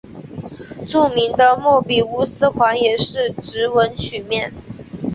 著名的莫比乌斯环也是直纹曲面。